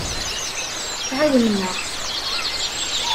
Tɛawnem-aɣ.